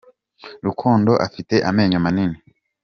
Rukundo afite amenyo manini.